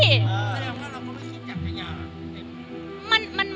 ถ้าเราก็ไม่มีคิดแค่อย่า